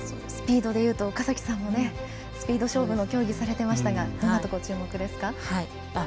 スピードでいうと岡崎さんもスピード勝負の競技をされていましたがどんなところが注目ですか。